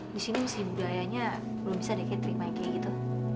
disini bisa bayarnya belum bisa diketerima gitu